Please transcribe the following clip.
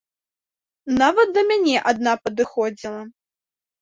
Нават да мяне адна падыходзіла.